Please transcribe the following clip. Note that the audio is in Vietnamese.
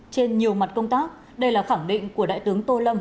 trên nhiều mặt công tác đây là khẳng định của đại tướng tô lâm